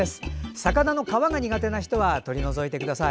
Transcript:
魚の皮が苦手な人は取り除いてください。